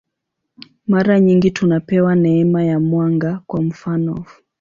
Mara nyingi tunapewa neema ya mwanga, kwa mfanof.